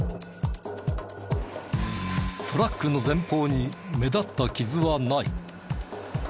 トラックの前方に目立った傷はない。